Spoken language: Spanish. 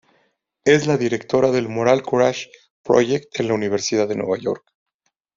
Es la directora del Moral Courage Project en la Universidad de Nueva York.